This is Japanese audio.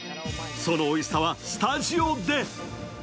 そのおいしさはスタジオで。